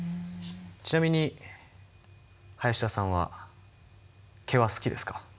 ちなみに林田さんは毛は好きですか？